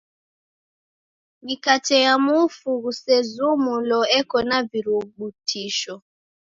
Mikate ya mufu ghusezumulo eko na virutubisho.